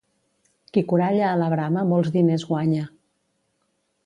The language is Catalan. Qui coralla a la brama molts diners guanya.